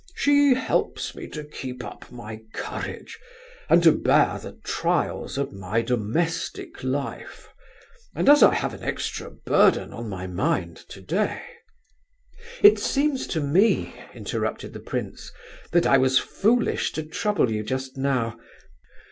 She helps me to keep up my courage, and to bear the trials of my domestic life, and as I have an extra burden on my mind today..." "It seems to me," interrupted the prince, "that I was foolish to trouble you just now.